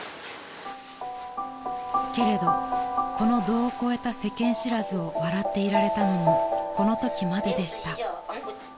［けれどこの度を越えた世間知らずを笑っていられたのもこのときまででした］